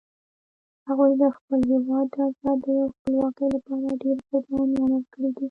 هغوی د خپل هیواد د آزادۍ او خپلواکۍ لپاره ډېري قربانيان ورکړي دي